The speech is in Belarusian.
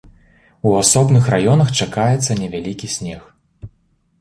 У асобных раёнах чакаецца невялікі снег.